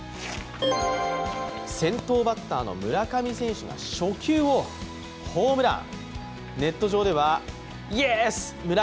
先頭バッターの村上選手が初球をホームラン。